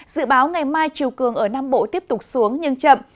dự báo ngày mai chiều cường ở nam bộ tiếp tục xuống nhưng chậm